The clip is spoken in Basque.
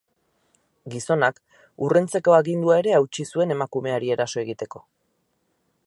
Gizonak urruntzeko agindua ere hautsi zuen emakumeari eraso egiteko.